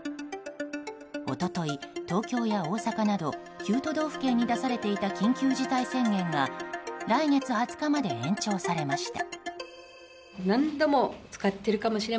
一昨日、東京や大阪など９都道府県に出されていた緊急事態宣言が来月２０日まで延長されました。